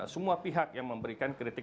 semua pihak yang memberikan kritik